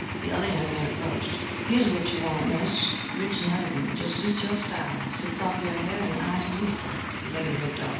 The other young man approached: "Here is what you want, miss rich and elegant. Just suits your style. Sets off your hair and eyes beautiful." The ladies looked up.